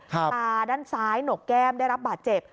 ตาด้านซ้ายหนกแก้มได้รับบาดเจ็บ